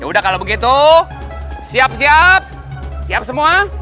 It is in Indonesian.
ya udah kalau begitu siap siap siap semua